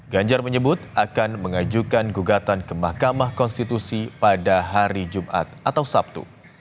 ganjar menyebut akan mengajukan gugatan ke mahkamah konstitusi pada hari jumat atau sabtu